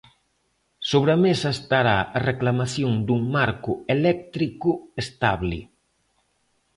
Sobre a mesa estará a reclamación dun marco eléctrico estable.